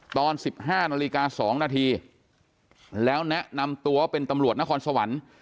ตอน๑๕นาฬิกา๒นาทีแล้วแนะนำตัวเป็นตำรวจนครสวรรค์